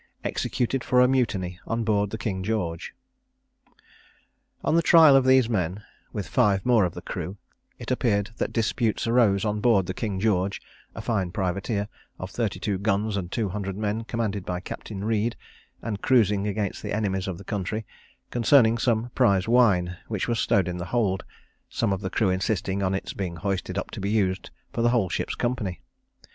EXECUTED FOR A MUTINY ON BOARD THE KING GEORGE. On the trial of these men, with five more of the crew, it appeared that disputes arose on board the King George, a fine privateer, of thirty two guns and two hundred men, commanded by Captain Reed, and cruising against the enemies of the country, concerning some prize wine, which was stowed in the hold, some of the crew insisting on its being hoisted up to be used for the whole ship's company.